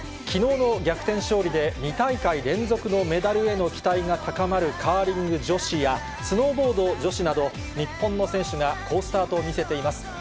きのうの逆転勝利で２大会連続のメダルへの期待が高まるカーリング女子や、スノーボード女子など、日本の選手が好スタートを見せています。